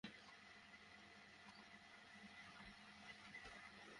তিনি ইন্তেকাল করলে আমি মাওসেলের লোকটির নিকট গেলাম এবং তাকে আমার বৃত্তান্ত শুনালাম।